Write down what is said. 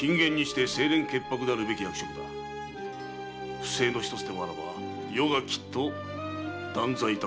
不正のひとつでもあらば余がきっと断罪いたすぞ。